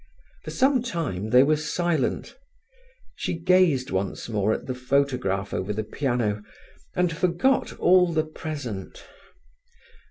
For some time they were silent. She gazed once more at the photograph over the piano, and forgot all the present.